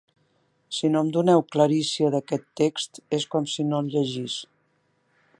Si no em doneu clarícia d'aquest text, és com si no el llegís.